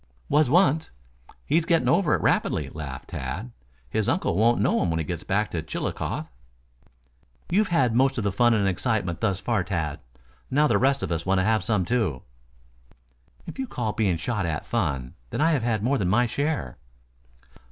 "Was once. He's getting over it rapidly," laughed Tad. "His uncle won't know him when he gets back to Chillicothe." "You have had most of the fun and excitement thus far, Tad. Now the rest of us want to have some too." "If you call being shot at fun, then I have had more than my share."